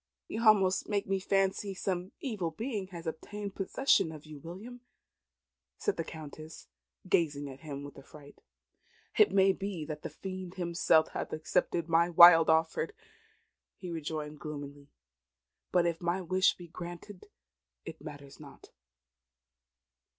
"You almost make me fancy some evil being has obtained possession of you, William," said the Countess, gazing at him with affright. "It may be that the Fiend himself hath accepted my wild offer," he rejoined gloomily; "but if my wish be granted it matters not."